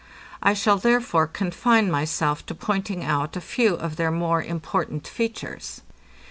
I shall, therefore, confine myself to pointing out a few of their more important features.